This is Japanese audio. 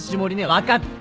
分かった！